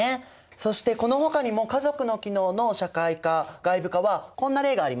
そしてこのほかにも家族の機能の社会化外部化はこんな例があります。